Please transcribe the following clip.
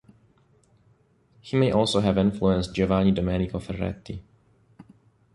He may also have influenced Giovanni Domenico Ferretti.